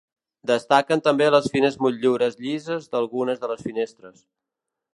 Destaquen també les fines motllures llises d'algunes de les finestres.